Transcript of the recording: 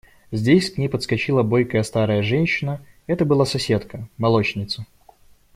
Здесь к ней подскочила бойкая старая женщина – это была соседка, молочница.